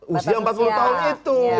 usia empat puluh tahun itu